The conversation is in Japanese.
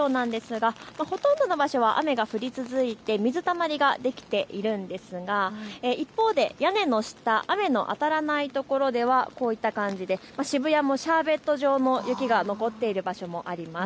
路面状況なんですがほとんどの場所が雨が降り続いて水たまりができているんですが一方で屋根の下、雨の当たらない所ではこういった感じで渋谷もシャーベット状の雪が残っている場所もあります。